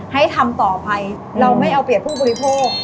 ให้ทำต่อไปเราไม่เอาเปรียบผู้บริโภค